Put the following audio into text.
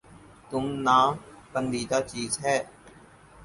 تم ناپندیدہ چیز ہے